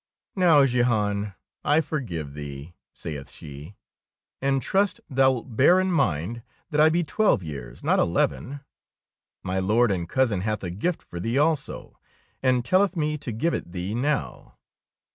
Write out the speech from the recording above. Now, Jehan, I forgive thee," saith she, '^and trust thou It bear in mind that I be twelve years, not eleven. My Lord and cousin hath a gift for thee also, and telleth me to give it thee now.